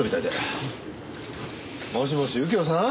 もしもし右京さん？